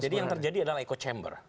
jadi yang terjadi adalah echo chamber